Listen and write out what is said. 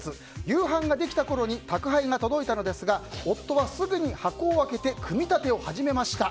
夕飯ができたころに宅配が届いたのですが夫はすぐに箱を開けて組み立てを始めました。